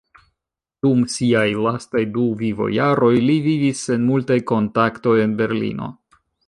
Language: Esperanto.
Dum siaj lastaj du vivojaroj li vivis sen multaj kontaktoj en Berlino.